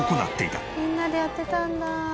みんなでやってたんだ。